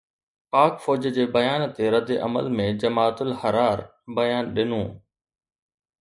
پاڪ فوج جي بيان تي ردعمل ۾ جماعت الحرار بيان ڏنو آهي